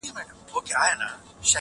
که یو ځلي دي نغمه کړه راته سازه!.